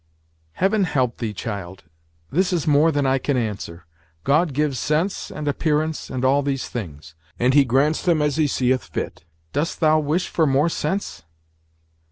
"Heaven help thee, child: this is more than I can answer. God gives sense, and appearance, and all these things; and he grants them as he seeth fit. Dost thou wish for more sense?"